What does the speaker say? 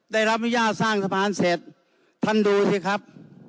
ได้รับอนุญาตสร้างสะพานเสร็จท่านดูสิครับ